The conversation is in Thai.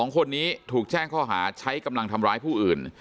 ๒คนนี้ถูกแจ้งข้อหาใช้กำลังทำร้ายผู้อื่น